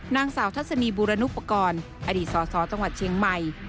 นางสาวทัศนีบูรณุปกรณ์อดีตสสจังหวัดเชียงใหม่